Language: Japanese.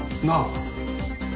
なあ？